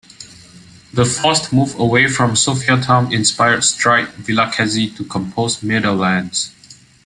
The forced move away from Sophiatown inspired Strike Vilakezi to compose "Meadowlands".